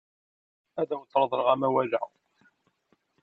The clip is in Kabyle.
Ad awent-reḍleɣ amawal-a.